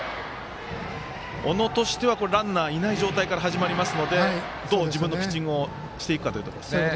小野としては、ランナーいない状態から始まりますので自分のピッチングをしていくかということですね。